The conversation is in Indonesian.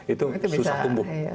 itu susah tumbuh